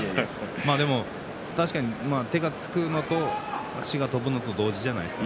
でも確かに手がつくのと足が飛ぶのと同時じゃないですか。